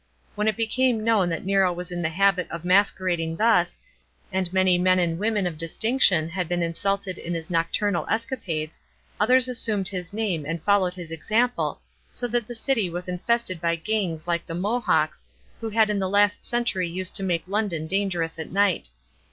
When it became known that Nero was in the habit of masquerading thus, and many men and women of distinction had been insulted in his nocturnal escapades, others assumed his name and followed his example, so that the city was infested by gangs like the Mohawks, who in the last century used to make London dangerous at night.